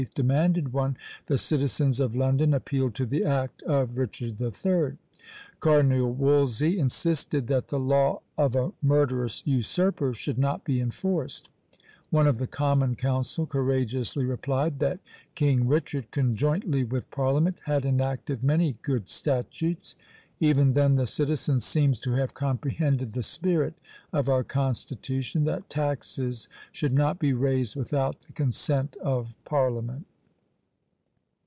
demanded one, the citizens of London appealed to the act of Richard III. Cardinal Wolsey insisted that the law of a murderous usurper should not be enforced. One of the common council courageously replied, that "King Richard, conjointly with parliament, had enacted many good statutes." Even then the citizen seems to have comprehended the spirit of our constitution that taxes should not be raised without the consent of parliament!